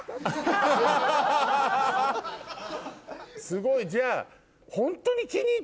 すごいじゃあ。